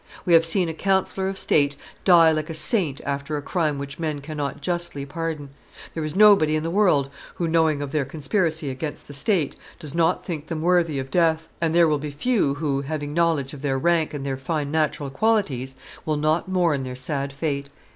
We have seen a councillor of state die like a saint after a crime which men cannot justly pardon. There is nobody in the world who, knowing of their conspiracy against the state, does not think them worthy of death, and there will be few who, having knowledge of their rank and their fine natural qualities, will not mourn their sad fate."